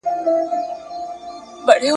نا بلل شوي میکروبونه زیان رسوي.